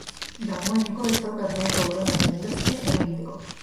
Dagoeneko ez daukat nahiko borondate hainbeste lan egiteko.